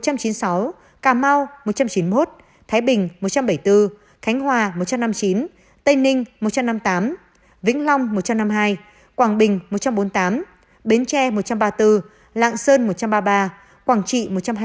thừa thiên huế hai trăm năm mươi chín lâm đồng một trăm chín mươi sáu cà mau một trăm chín mươi một thái bình một trăm bảy mươi bốn khánh hòa một trăm năm mươi chín tây ninh một trăm năm mươi tám vĩnh long một trăm năm mươi hai quảng bình một trăm bốn mươi tám bến tre một trăm ba mươi bốn lạng sơn một trăm ba mươi ba quảng trị một trăm hai mươi năm